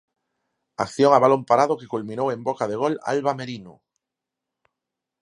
Acción a balón parado que culminou en boca de gol Alba Merino.